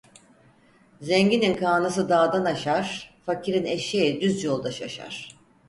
Zenginin kağnısı dağdan aşar, fakirin eşeği düz yolda şaşar.